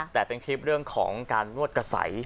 แต่เป็นคลิปเรื่องของการนวดกระใส